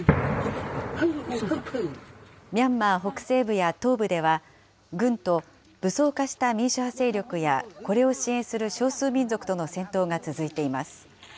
ミャンマー北西部や東部では、軍と、武装化した民主派勢力や、これを支援する少数民族との戦闘が続いています。